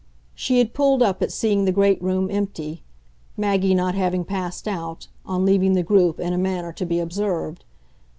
She had pulled up at seeing the great room empty Maggie not having passed out, on leaving the group, in a manner to be observed.